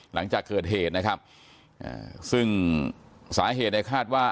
หลังจากเกิดเหตุนะครับซึ่งสาเหตุในคาดว่า